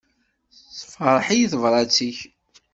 Tessefṛeḥ-iyi tebrat-ik.